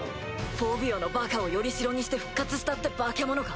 フォビオのバカを依り代にして復活したって化け物か。